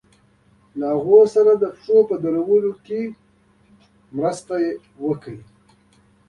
د هغوی په خپلو پښو درولو کې ورسره مرسته وکړي.